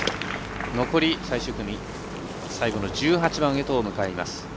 残り最終組、最後の１８番へと向かいます。